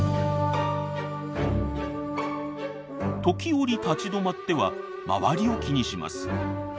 時折立ち止まっては周りを気にします。